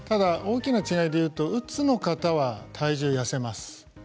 大きな違いでいうとうつの方は体重が痩せます。